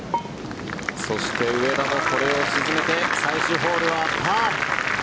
そして、上田もこれを沈めて最終ホールはパー。